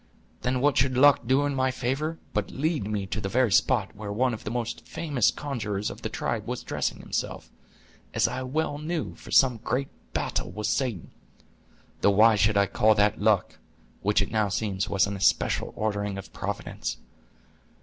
Then what should luck do in my favor but lead me to the very spot where one of the most famous conjurers of the tribe was dressing himself, as I well knew, for some great battle with Satan—though why should I call that luck, which it now seems was an especial ordering of Providence.